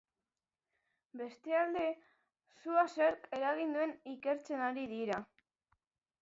Bestalde, sua zerk eragin duen ikertzen ari dira.